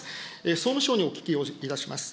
総務省にお聞きをいたします。